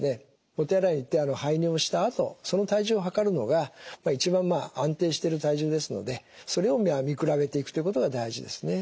お手洗いに行って排尿したあとその体重を量るのが一番まあ安定してる体重ですのでそれを見比べていくということが大事ですね。